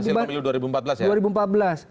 sekarang sudah berapa tahun